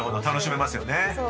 楽しめますよね。